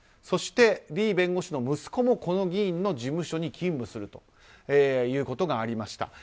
そして、リー弁護士の息子もこの議員の事務所に勤務するということがありました。